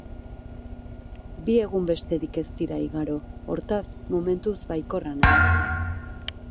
Bi egun besterik ez dira igaro, hortaz, momentuz baikorra naiz.